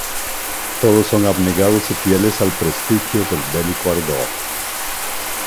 Todos son abnegados y fieles al prestigio del bélico ardor